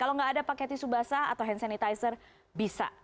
kalau tidak ada pakai tisu basah atau hand sanitizer itu bisa digunakan